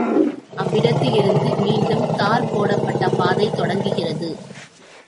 அவ்விடத்திலிருந்து மீண்டும் தார் போடப்பட்ட பாதை தொடங்குகிறது.